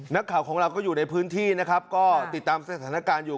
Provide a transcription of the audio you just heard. นักข่าวของเราก็อยู่ในพื้นที่นะครับก็ติดตามสถานการณ์อยู่